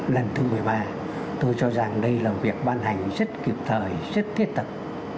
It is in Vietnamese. lần thứ một mươi ba tôi cho rằng đây là việc ban hành rất kỹ năng